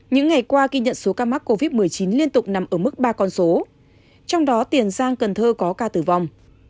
những ngày qua ghi nhận số ca mắc covid một mươi chín liên tục nằm ở mức ba con số trong đó tiền giang cần thơ có ca tử vong